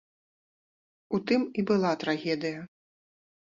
У тым і была трагедыя.